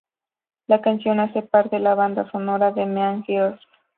La canción hace parte de la banda sonora de Mean Girls.